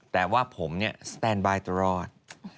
แต่ว่าผมเนี่ยพื้นทางตลอด